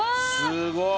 すごい。